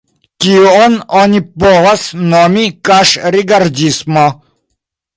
Tion oni povas nomi "kaŝ-rigardismo".